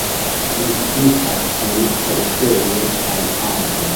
Ĝi vivas en herbejo kaj agro.